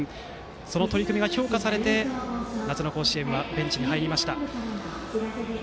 その取り組みが評価されて夏の甲子園はベンチに入りました。